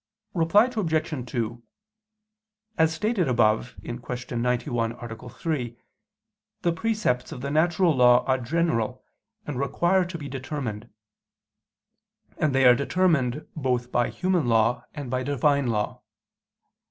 Reply Obj. 2: As stated above (Q. 91, A. 3), the precepts of the natural law are general, and require to be determined: and they are determined both by human law and by Divine law.